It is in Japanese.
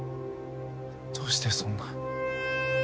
どうしてそんな。